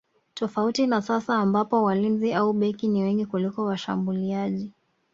Tofauti na sasa ambapo walinzi au beki ni wengi kuliko washambuliaji